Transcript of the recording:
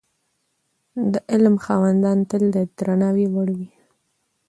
د علم خاوندان تل د درناوي وړ وي.